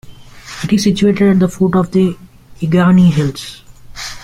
It is situated at the foot of the Euganei Hills.